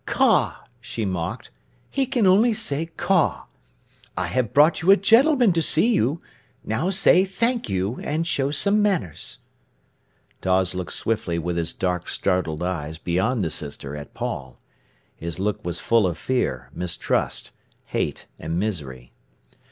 "Caw!" she mocked. "He can only say 'Caw!' I have brought you a gentleman to see you. Now say 'Thank you,' and show some manners." Dawes looked swiftly with his dark, startled eyes beyond the sister at Paul. His look was full of fear, mistrust, hate, and misery.